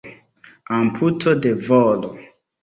Amputo de volo.